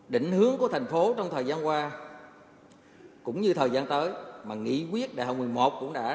định hướng của thành phố trong thời gian qua cũng như thời gian tới mà nghị quyết đại hội một mươi một cũng đã